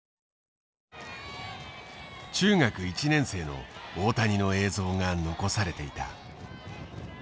中学１年生の大谷の映像が残されていた。